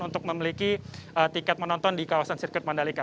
untuk memiliki tiket menonton di kawasan sirkuit mandalika